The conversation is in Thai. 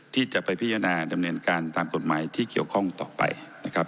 ที่จะไปพิจารณาดำเนินการตามกฎหมายที่เกี่ยวข้องต่อไปนะครับ